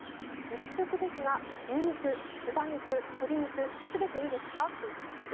肉食ですが牛肉、豚肉、鶏肉全ていいですか？ということです。